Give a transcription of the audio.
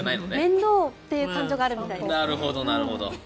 面倒という感情があるみたいです。